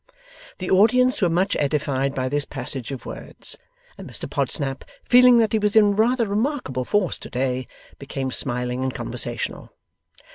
The audience were much edified by this passage of words; and Mr Podsnap, feeling that he was in rather remarkable force to day, became smiling and conversational.